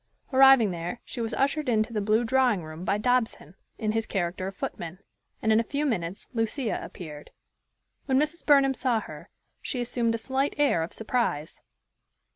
Arriving there, she was ushered into the blue drawing room by Dobson, in his character of footman; and in a few minutes Lucia appeared. When Mrs. Burnham saw her, she assumed a slight air of surprise.